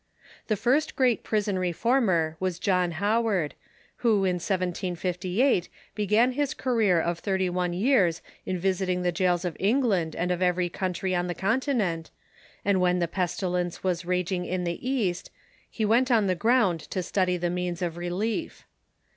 The first great prison reformer was John Howard, who in 1758 began his career of thirty one years in visiting the jails of England and of every counti'y on the Continent, and when the pestilence was raging in the East he went on the ground tb study the means of relief.